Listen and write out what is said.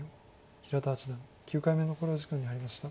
平田八段９回目の考慮時間に入りました。